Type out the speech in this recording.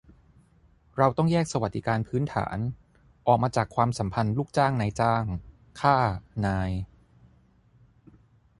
เราต้องแยกสวัสดิการพื้นฐาน ออกมาจากความสัมพันธ์ลูกจ้าง-นายจ้าง ข้า-นาย